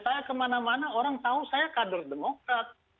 saya kemana mana orang tahu saya kader demokrat